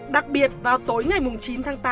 đặc biệt vào tối ngày chín tháng tám